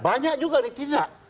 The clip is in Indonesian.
banyak juga yang ditindak